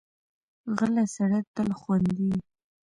غلی سړی تل خوندي وي.